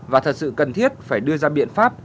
và thật sự cần thiết phải đưa ra biện pháp